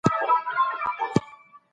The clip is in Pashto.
قانوني کړنلارو د فساد مخنيوی کاوه.